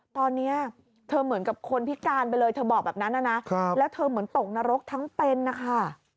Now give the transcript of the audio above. ตอนนี้เธอเหมือนกับคนพิการไปเลยเธอบอกแบบนั้นนะแล้วเธอเหมือนตกนรกทั้งเป็นนะคะ